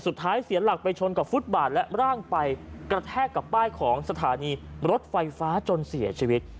เสียหลักไปชนกับฟุตบาทและร่างไปกระแทกกับป้ายของสถานีรถไฟฟ้าจนเสียชีวิต